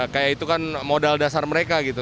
kayak itu kan modal dasar mereka gitu